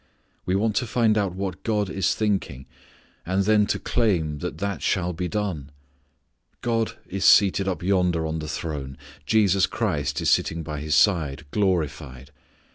We want to find out what God is thinking, and then to claim that that shall be done. God is seated up yonder on the throne. Jesus Christ is sitting by His side glorified.